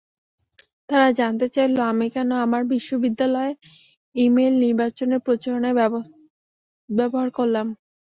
তারা জানতে চাইল আমি কেন আমার বিশ্ববিদ্যালয় ই-মেইল নির্বাচনের প্রচারণায় ব্যবহার করলাম।